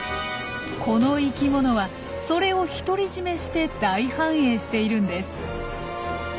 この生きものはそれを独り占めして大繁栄しているんです。